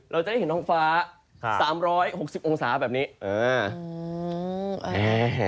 เราจะได้เห็นท้องฟ้า๓๖๐องศาแบบนี้อ่า